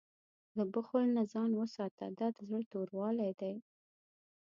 له بخل نه ځان وساته، دا د زړه توروالی دی.